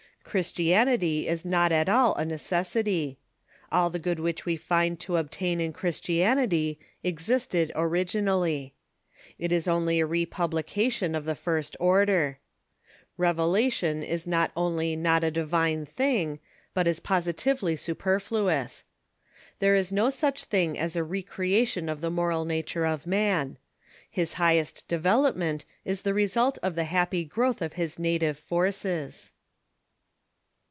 Christianity is not at all a necessity. All the good which we find to obtain in Christianity existed originally. It is only a republication of the first ordei\ Revelation is not only not a divine thing, but is positively superfluous. There is no such thing as a recreation of the moral nature of man. His highest development is the result of the happy growth of his native forces.